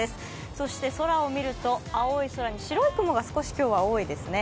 そして空を見ると、青い空に白い雲が今日は少し多いですね。